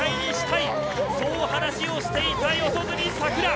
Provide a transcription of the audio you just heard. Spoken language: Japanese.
そう話をしていた四十住さくら。